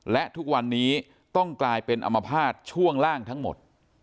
และทุกวันนี้ต้องกลายเป็นอมภาษณ์ช่วงล่างทั้งหมด